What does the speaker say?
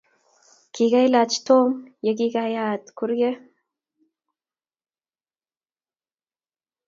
Kikailach tom ye kikayaat kurket